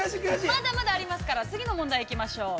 ◆まだまだありますから、次の問題行きましょう。